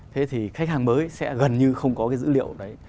thế thì khách hàng mới sẽ gần như không có cái dữ liệu đấy